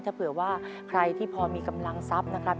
ถ้าเผื่อว่าใครที่พอมีกำลังทรัพย์นะครับ